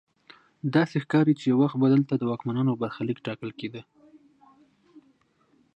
داسې ښکاري چې یو وخت به دلته د واکمنانو برخلیک ټاکل کیده.